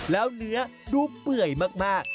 และเนื้อดูเปลือไอมาก